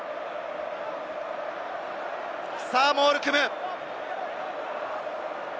モールを組む。